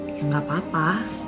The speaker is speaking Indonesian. ya gak apa apa